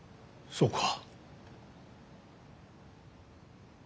そうか。